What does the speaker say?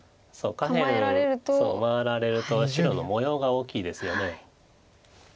下辺回られると白の模様が大きいですよね。